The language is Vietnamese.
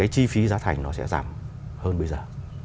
chi phí giá thành sẽ giảm hơn bây giờ